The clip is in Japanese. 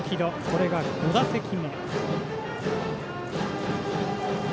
これが５打席目。